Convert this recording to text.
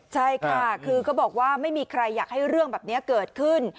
ใช่ค่ะคือก็บอกว่าไม่มีใครอยากให้เรื่องแบบนี้เกิดขึ้น